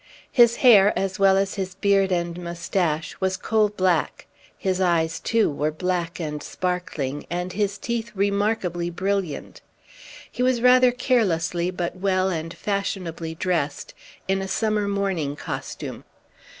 His hair, as well as his beard and mustache, was coal black; his eyes, too, were black and sparkling, and his teeth remarkably brilliant. He was rather carelessly but well and fashionably dressed, in a summer morning costume.